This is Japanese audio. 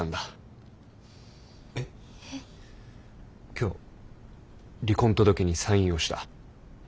今日離婚届にサインをした。